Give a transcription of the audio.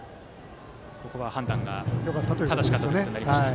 ここは判断が正しかったということになりました。